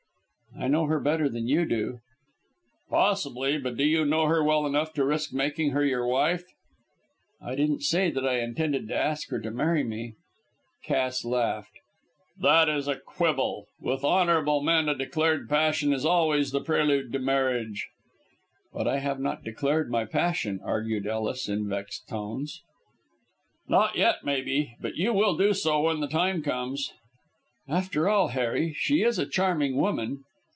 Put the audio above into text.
"I know her better than you do." "Possibly. But do you know her well enough to risk making her your wife?" "I didn't say that I intended to ask her to marry me." Cass laughed. "That is a quibble. With honourable men a declared passion is always the prelude to marriage." "But I have not declared my passion," argued Ellis, in vexed tones. "Not yet, maybe, but you will do so when the time comes." "After all, Harry, she is a charming woman."